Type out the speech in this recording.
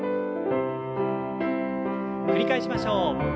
繰り返しましょう。